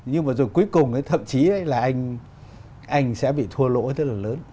nhưng mà rồi cuối cùng thậm chí là anh sẽ bị thua lỗi rất là lớn